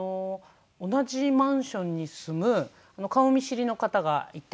同じマンションに住む顔見知りの方がいて。